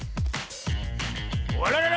あららら